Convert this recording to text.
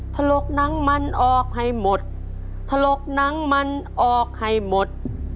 ถลกหนังมันออกให้หมดถลกหนังมันออกให้หมด